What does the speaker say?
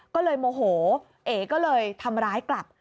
ก็เลยโมโหเอ๋ก็เลยทำร้ายกลับ